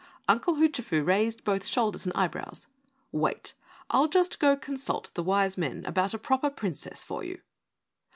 Uncle Hoochafoo raised both shoulders and eyebrows. "Wait, I'll just go consult the wise men about a proper Princess for you."